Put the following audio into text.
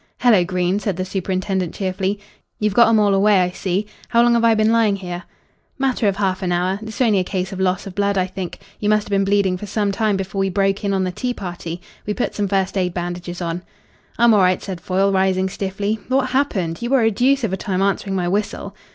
"Hello, Green," said the superintendent cheerfully. "You've got 'em all away, I see. How long have I been lying here?" "Matter of half an hour. It's only a case of loss of blood, I think. You must have been bleeding for some time before we broke in on the tea party. We put some first aid bandages on." "I'm all right," said Foyle, rising stiffly. "What happened? You were a deuce of a time answering my whistle."